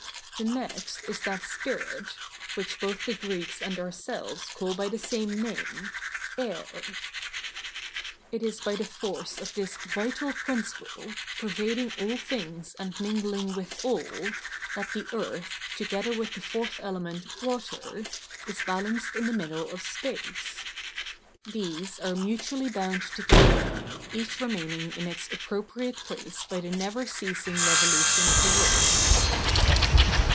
The next is that spirit, which both the Greeks and ourselves call by the same name, air. It is by the force of this vital principle, pervading all things and mingling with all, that the earth, together with the fourth element, water, is balanced in the middle of space. These are mutually bound together, each remaining in its appropriate place by the never ceasing revolution of the world.